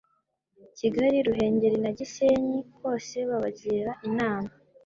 Kigali, Ruhengeri na Gisenyi hose babagira inama